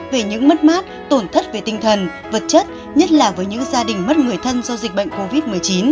về những mất mát tổn thất về tinh thần vật chất nhất là với những gia đình mất người thân do dịch bệnh covid một mươi chín